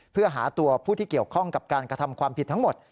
เพื่อหาตัวผู้ที่เกี่ยวข้องกับการกระทำความผิดทั้งหมด